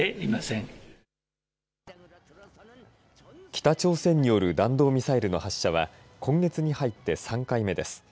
北朝鮮による弾道ミサイルの発射は今月に入って３回目です。